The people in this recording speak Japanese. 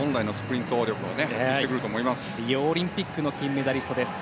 リオオリンピックの金メダリストです。